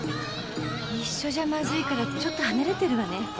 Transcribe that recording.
一緒じゃまずいからちょっと離れてるわね。